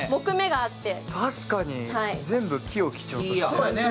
確かに全部木を基調としてる。